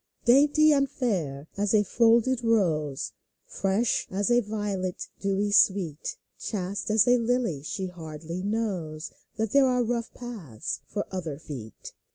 Dainty and fair as a folded rose. Fresh as a violet dewy sweet. Chaste as a lily, she hardly knows That there are rough paths for other feet.